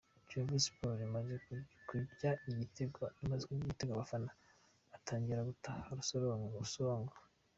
Kiyovu Sport imaze kurya igitego abafana batangiye gutaha urusorongo.